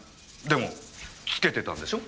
でもつけてたんでしょ？